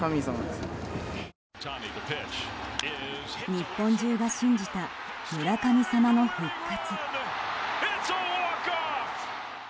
日本中が信じた村神様の復活。